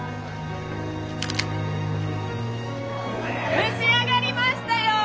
蒸し上がりましたよ！